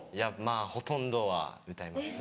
ほとんどは歌えます。